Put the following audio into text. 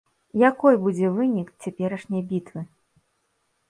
Якой будзе вынік цяперашняй бітвы?